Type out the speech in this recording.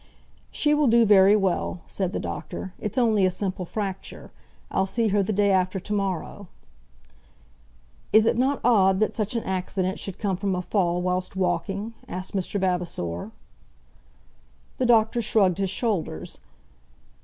"She will do very well," said the doctor. "It's only a simple fracture. I'll see her the day after to morrow." "Is it not odd that such an accident should come from a fall whilst walking?" asked Mr. Vavasor. The doctor shrugged his shoulders.